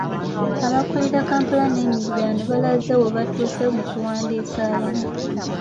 Abakulira Kampala n’emiriraano balaze we batuuse mu kuwandiisa abantu.